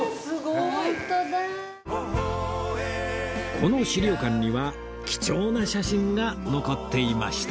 この資料館には貴重な写真が残っていました